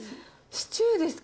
シチューですか？